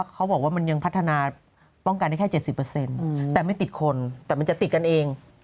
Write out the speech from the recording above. เขาบอกว่ามันยังพัฒนาป้องกันได้แค่๗๐แต่ไม่ติดคนแต่มันจะติดกันเอง